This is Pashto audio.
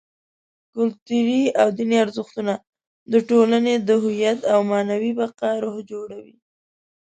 کلتوري او دیني ارزښتونه: د ټولنې د هویت او معنوي بقا روح جوړوي.